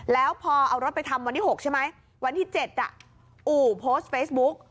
แล้วพอเอารถไปทำวันที่๖ใช่ไหมวันที่๗อู่โพสต์เฟซบุ๊ก